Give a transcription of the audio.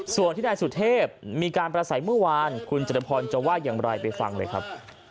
ส่วนที่นายสุเทพมีการประสัยเมื่อวานคุณจตุพรจะว่าอย่างไรไปฟังเลยครับ